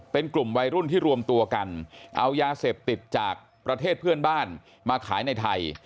เป็นกลุ่มวัยรุ่นที่รวมตัวกันเอายาเสพติดจากประเทศเพื่อนบ้านมาขายในไทย